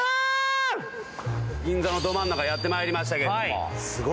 銀座のど真ん中、やって参りましたけども。